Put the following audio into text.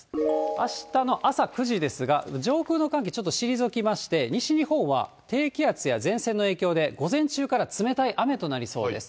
あしたの朝９時ですが、上空の寒気、ちょっと退きまして、西日本は低気圧や前線の影響で、午前中から冷たい雨となりそうです。